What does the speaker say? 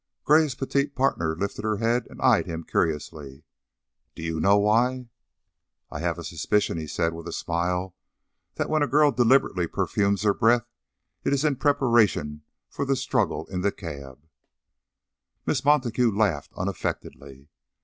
Gray's petite partner lifted her head and eyed him curiously. "Do you know why?" "I have a suspicion," he said, with a smile, "that when a girl deliberately perfumes her breath it is in preparation for the struggle in the cab." Miss Montague laughed unaffectedly.